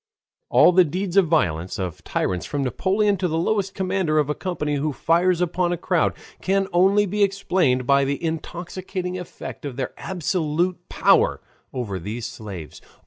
All the deeds of violence of tyrants from Napoleon to the lowest commander of a company who fires upon a crowd, can only be explained by the intoxicating effect of their absolute power over these slaves.